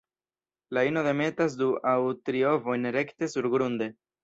La ino demetas du aŭ tri ovojn rekte surgrunde.